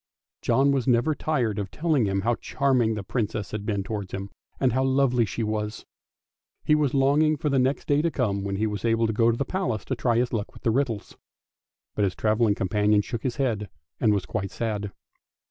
John was never tired of telling him how charming the Princess had been towards him, and how lovely she was. He was longing for the next day to come, when he was to go to the Palace to try his luck with the riddles. But his travelling companion shook his head and was quite sad.